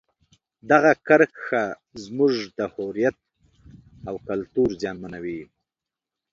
دغه کرښه زموږ د هویت او کلتور زیانمنوي.